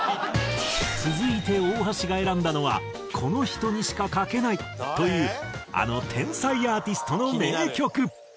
続いて大橋が選んだのはこの人にしか書けない！というあの天才アーティストの名曲。